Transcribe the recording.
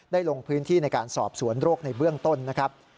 ลงพื้นที่ในการสอบสวนโรคในเบื้องต้นนะครับ